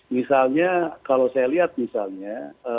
misalnya kalau saya lihat misalnya